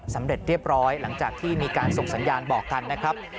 สำเร็จเรียบร้อยหลังจากที่มีการส่งสัญญาณบอกกันนะครับ